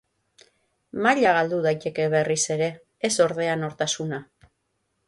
Maila galdu daiteke berriz ere, ez ordea nortasuna.